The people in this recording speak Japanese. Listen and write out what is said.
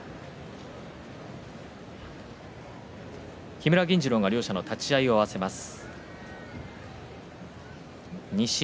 木村銀治郎が両者の立ち合いを合わせます。